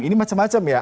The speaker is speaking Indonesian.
ini macam macam ya